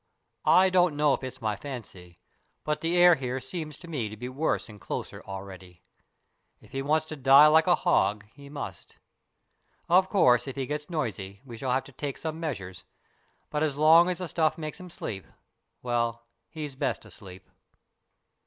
I don't know if it's my fancy, but the air here seems to me to be worse and closer already. If he wants to die like a hog, he must. Of course, if he gets noisy, we shall have to take some measures, but as long as the stuff makes him sleep well, he's best asleep."